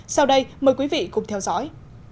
sau đây mời quý vị cùng theo dõi